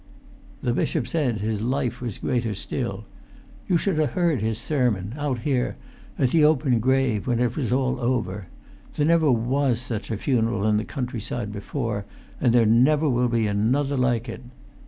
"The bishop said his life was greater still. You should ha' heard his sermon, out here, at the open grave, when it was all over. There never was such a funeral in the countryside before, and there never will be another like it.